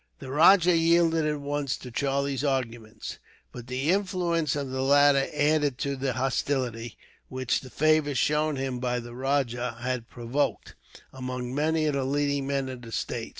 The rajah yielded at once to Charlie's arguments; but the influence of the latter added to the hostility, which the favour shown him by the rajah had provoked, among many of the leading men of the state.